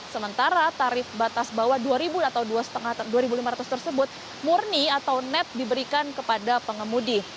sementara tarif batas bawah rp dua atau dua lima ratus tersebut murni atau net diberikan kepada pengemudi